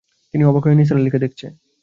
তিন্নি অবাক হয়ে নিসার আলিকে দেখছে।